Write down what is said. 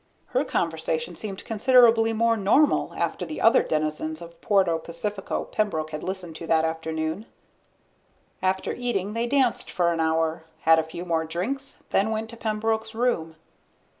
Her conversation seemed considerably more normal after the other denizens of Puerto Pacifico Pembroke had listened to that afternoon. After eating they danced for an hour, had a few more drinks, then went to Pembroke's room.